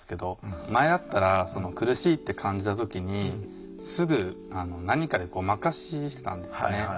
前だったら苦しいって感じた時にすぐ何かでごまかししてたんですよね。